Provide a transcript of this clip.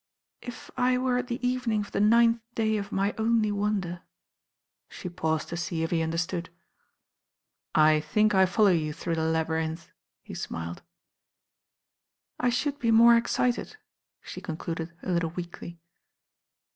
"If I were at the evening of the ninth day of my only wonder " She paused to see if he under . stood. "I think I follow you through the labyrinth," he smiled. "I should be more excited," she concluded a lit tle weakly.